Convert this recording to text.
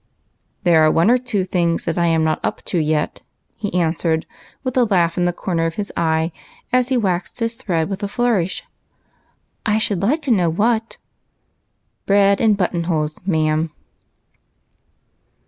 "There are one or two things that T am not up to yet," he answered, with a laugh in the corner of his eye, as he waxed his thread with a flourish. "I should like to know what?" "Bread and button holes, ma'am."